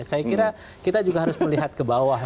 saya kira kita juga harus melihat ke bawah